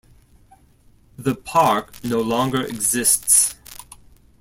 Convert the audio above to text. The park no longer exists.